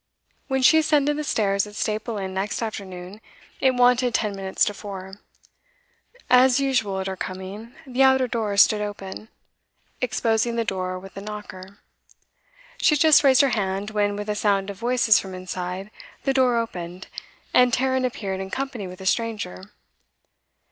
When she ascended the stairs at Staple Inn, next afternoon, it wanted ten minutes to four. As usual at her coming, the outer door stood open, exposing the door with the knocker. She had just raised her hand, when, with a sound of voices from inside, the door opened, and Tarrant appeared in company with a stranger.